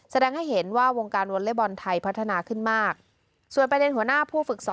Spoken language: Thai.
แสดงให้เห็นว่าวงการวอเล็กบอลไทยพัฒนาขึ้นมากส่วนประเด็นหัวหน้าผู้ฝึกสอน